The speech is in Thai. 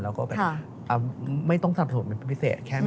แล้วก็ไม่ต้องสรรพสมมุติเป็นพิเศษ